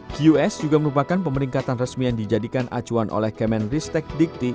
qs juga merupakan pemeringkatan resmi yang dijadikan acuan oleh kemenristek dikti